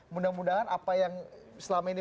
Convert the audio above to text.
mudah mudahan apa yang selama ini